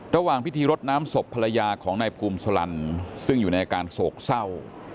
ระหว่างพิธีรดน้ำศพภรรยาของนายภูมิสลันซึ่งอยู่ในอาการโศกเศร้า